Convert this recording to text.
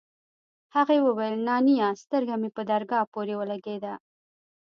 هغې وويل نانيه سترگه مې په درگاه پورې ولگېده.